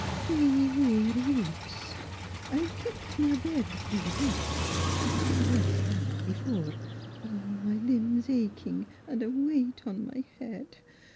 Three weary weeks. I've keepit my bed three weeks, but I was bad before ; all my Hmbs aching, and a weight on my head.